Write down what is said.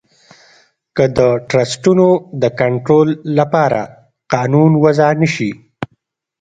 که د ټرسټونو د کنترول لپاره قانون وضعه نه شي.